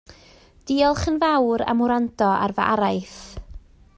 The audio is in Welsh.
Diolch yn fawr am wrando ar fy araith